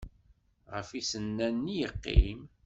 Ɣef yisennanen i yeqqim?